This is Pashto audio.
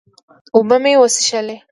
اوبۀ مې وڅښلې